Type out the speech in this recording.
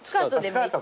スカート。